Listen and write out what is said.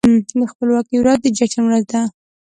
د خپلواکۍ ورځ د جشن ورځ ده.